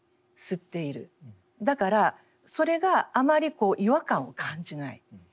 だからそれがあまり違和感を感じない。